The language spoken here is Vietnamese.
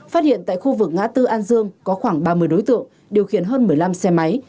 phát hiện tại khu vực ngã tư an dương có khoảng ba mươi đối tượng điều khiển hơn một mươi năm xe máy